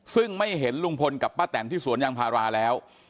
ซึ่งไม่เห็นลุงพลกับป้าแตนที่สวนยางพาราแล้ว